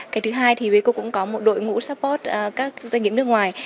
cái thứ hai thì vq cũng có một đội ngũ support các doanh nghiệm nước ngoài